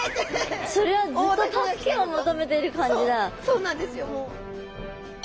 そうなんですよもう。